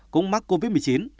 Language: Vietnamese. cũng mắc covid một mươi chín